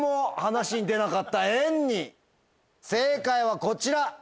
正解はこちら。